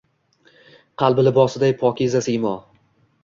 Qalbi libosiday pokiza siymo.